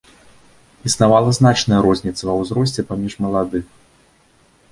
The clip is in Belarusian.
Існавала значная розніца ва ўзросце паміж маладых.